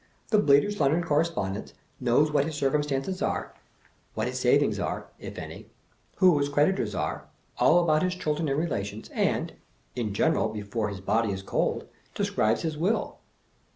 The Bleafer's London Corre spondent knows what his circumstances are, what his sav ings are (if any), who his creditors are, all about his chil dren and relations, and (in general, before his body is cold) describes his will.